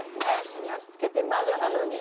地に足つけて魔女なのに。